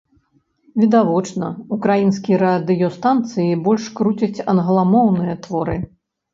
Відавочна, украінскія радыёстанцыі больш круцяць англамоўныя творы.